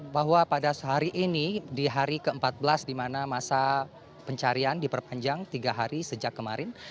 bahwa pada hari ini di hari ke empat belas di mana masa pencarian diperpanjang tiga hari sejak kemarin